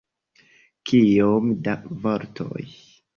Kiom da vortoj?